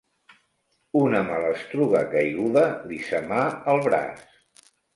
Una malastruga caiguda li semà el braç.